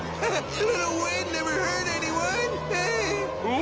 お！